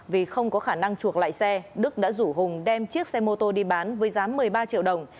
vì không có khả năng chuộc lại xe đức đã rủ hùng đem chiếc xe mô tô đi bán với giá một mươi ba triệu đồng